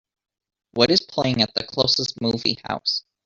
What is playing at the closest movie house